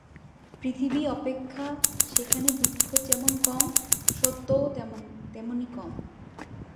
পৃথিবী অপেক্ষা সেখানে দুঃখ যেমন কম, সত্যও তেমনি কম।